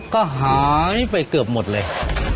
ก็หายไปเกือบหมดเลย